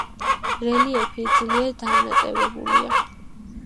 რელიეფი ძლიერ დანაწევრებულია.